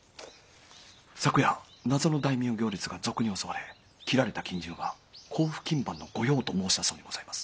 昨夜謎の大名行列が賊に襲われ斬られた近習が甲府勤番の御用と申したそうにございます。